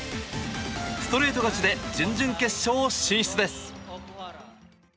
ストレート勝ちで準々決勝進出です。